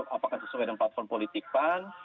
apakah sesuai dengan platform politik pan